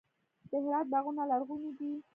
د هرات باغونه لرغوني دي.